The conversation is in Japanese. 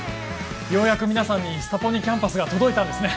ようやく皆さんにスタポニキャンパスが届いたんですね